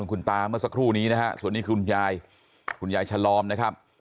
คุณตาเมื่อสักครู่นี้นะฮะส่วนนี้คุณยายคุณยายฉลอมนะครับ